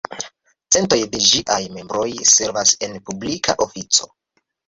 Centoj de ĝiaj membroj servas en publika ofico.